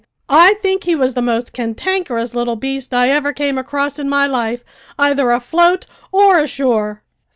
"I think he was the most cantankerous little beast I ever came across in my life, either afloat or ashore!"